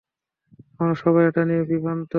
আমরা সবাই এটা নিয়ে বিভ্রান্ত!